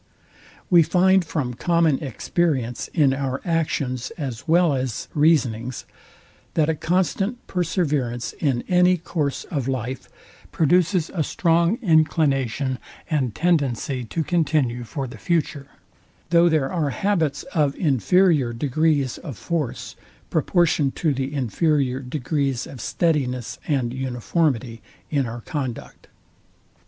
We find from common experience, in our actions as well as reasonings, that a constant perseverance in any course of life produces a strong inclination and tendency to continue for the future; though there are habits of inferior degrees of force, proportioned to the inferior degrees of steadiness and uniformity in our conduct.